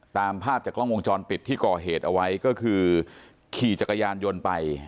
ตามภาพจากกล้องวงจรปิดที่ก่อเหตุเอาไว้ก็คือขี่จักรยานยนต์ไป